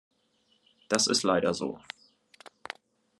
Das ist leider so.